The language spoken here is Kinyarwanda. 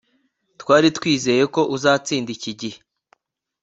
Twari twizeye ko uzatsinda iki gihe